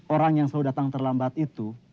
orang yang selalu datang terlambat itu